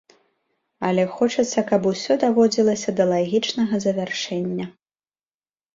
Але хочацца, каб усё даводзілася да лагічнага завяршэння.